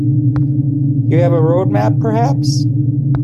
You have a road map, perhaps?